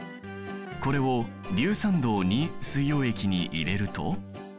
これを硫酸銅水溶液に入れると。